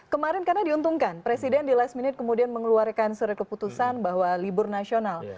kemarin karena diuntungkan presiden di last minute kemudian mengeluarkan surat keputusan bahwa libur nasional